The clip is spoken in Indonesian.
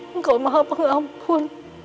engkau maha pengampun